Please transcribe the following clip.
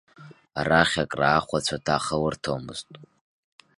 Арахь акраахәацәа ҭаха лырҭомызт.